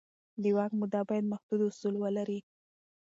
د واک موده باید محدود اصول ولري